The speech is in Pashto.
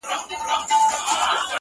• نه له واسکټه اندېښنه نه له بمونو وېره,